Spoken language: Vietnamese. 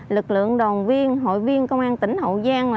lực lượng đoàn viên hội viên công an tỉnh hậu giang